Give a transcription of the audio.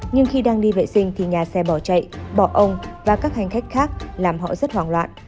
nhưng khi đang đi vệ sinh thì nhà xe bỏ chạy bỏ ông và các hành khách khác làm họ rất hoảng loạn